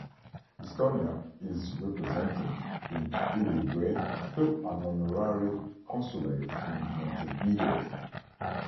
Estonia is represented in Uruguay through an honorary consulate in Montevideo.